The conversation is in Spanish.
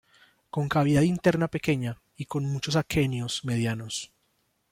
Con cavidad interna pequeña, y con muchos aquenios medianos.